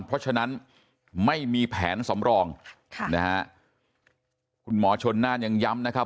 เพราะฉะนั้นไม่มีแผนสำรองค่ะนะฮะคุณหมอชนน่านยังย้ำนะครับ